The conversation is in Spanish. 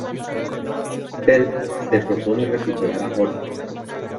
Ted se propone recuperar a Jorge.